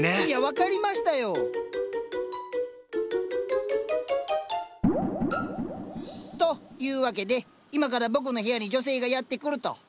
いや分かりましたよ！というわけで今から僕の部屋に女性がやって来ると。